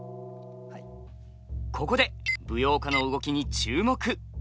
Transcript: ここで舞踊家の動きに注目。